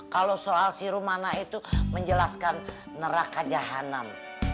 kalau soal si rumana itu menjelaskan neraka jahanam